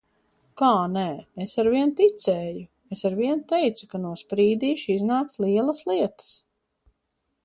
Kā nē? Es arvien ticēju! Es arvien teicu, ka no Sprīdīša iznāks lielas lietas.